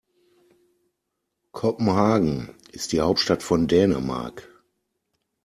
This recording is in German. Kopenhagen ist die Hauptstadt von Dänemark.